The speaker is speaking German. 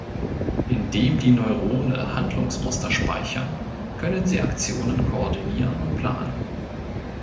Indem die Neurone Handlungsmuster speichern, können sie Aktionen koordinieren und planen.